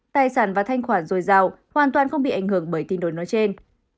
tài sản và thanh khoản dồi dào hoàn toàn không bị ảnh hưởng bởi tin đồn nói trên